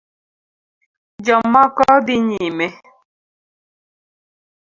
Jomoko dhi nyime